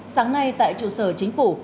sáng nay tại trụ sở chính phủ